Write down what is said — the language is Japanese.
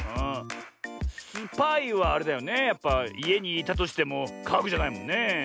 スパイはあれだよねやっぱいえにいたとしてもかぐじゃないもんねえ。